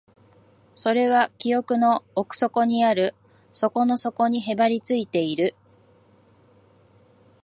それは記憶の奥底にある、底の底にへばりついている